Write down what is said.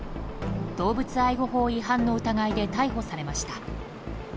動物愛護法違反の疑いで逮捕されました。